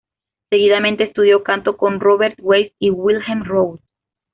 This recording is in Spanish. Seguidamente estudió canto con Robert Weiss y Wilhelm Rode.